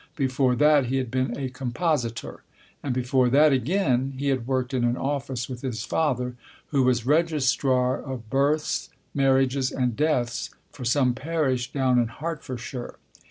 Before that he had been a compositor. And before that again he had worked in an office with his father, who was Registrar of Births, Marriages and Deaths for some parish down in Hertfordshire.